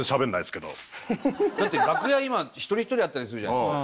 だって楽屋今一人一人だったりするじゃないですか